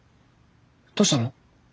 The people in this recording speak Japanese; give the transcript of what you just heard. どうしたの？